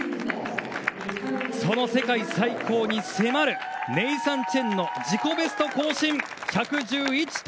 その世界最高に迫るネイサン・チェンの自己ベスト更新。